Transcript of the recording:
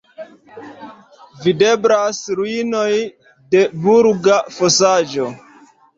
Videblas ruinoj de burga fosaĵo.